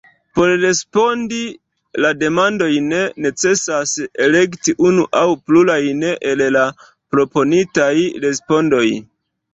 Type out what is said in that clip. Por respondi la demandojn necesas elekti unu aŭ plurajn el la proponitaj respondoj.